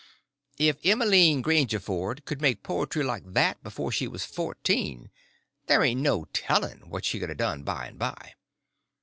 If Emmeline Grangerford could make poetry like that before she was fourteen, there ain't no telling what she could a done by and by.